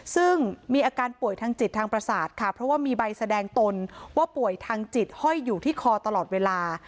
ซึ่งมีอาการป่วยทางจิตทางประสาทค่ะเพราะว่ามีใบแสดงตนว่าป่วยทางจิตห้อยอยู่ที่คอตลอดเวลา